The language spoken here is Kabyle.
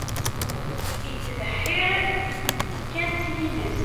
Ittbeḥḥiṛ kan s yiles.